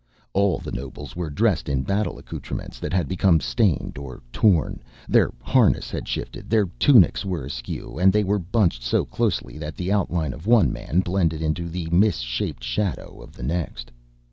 All the nobles were dressed in battle accoutrements that had become stained or torn. Their harness had shifted, their tunics were askew, and they were bunched so closely that the outline of one man blended into the mis shaped shadow of the next.